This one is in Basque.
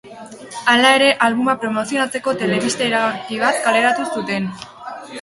Hala ere, albuma promozionatzeko telebista iragarki bat kaleratu zuten.